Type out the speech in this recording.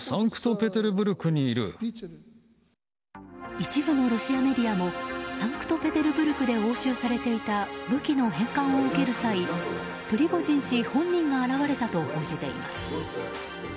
一部のロシアメディアもサンクトペテルブルクで押収されていた武器の返還を受ける際プリゴジン氏本人が現れたと報じています。